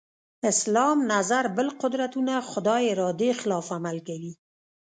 اسلام نظر بل قدرتونه خدای ارادې خلاف عمل کوي.